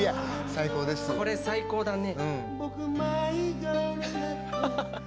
これ、最高だね。